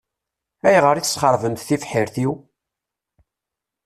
Ayɣer i tesxeṛbemt tibḥirt-iw?